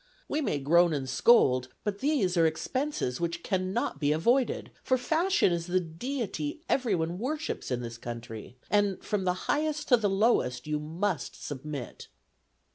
We may groan and scold, but these are expenses which cannot be avoided; for fashion is the deity everyone worships in this country, and, from the highest to the lowest, you must submit."